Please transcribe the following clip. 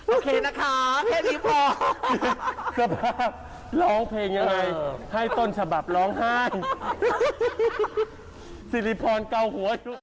โอเคนะคะเพื่อนพี่พก